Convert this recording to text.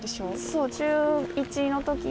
そう中１の時に。